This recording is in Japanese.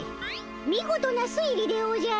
見事な推理でおじゃる。